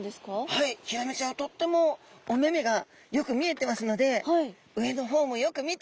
はいヒラメちゃんはとってもお目々がよく見えてますので上の方もよく見てるんですね！